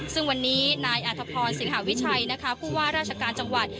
ซึ่งวันนี้นายอัธพรสิงหาวิชัยนะคะผู้ว่าราชการจังหวัด